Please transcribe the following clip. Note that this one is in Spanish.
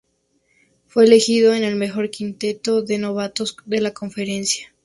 Fue elegido en el mejor quinteto de novatos de la conferencia.